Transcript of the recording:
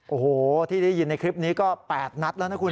โอ้โหที่ได้ยินในคลิปนี้ก็๘นัดแล้วนะคุณ